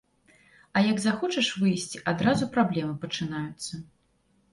А як захочаш выйсці, адразу праблемы пачынаюцца.